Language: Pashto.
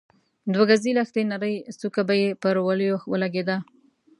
د دوه ګزۍ لښتې نرۍ څوکه به يې پر وليو ولګېده.